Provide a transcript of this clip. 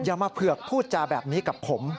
อย่ามาเผือกพูดจาแบบนี้กับผม